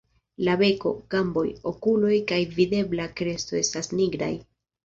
La beko, gamboj, okuloj kaj videbla kresto estas nigraj.